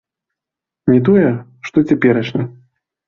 Не тое, што цяперашні.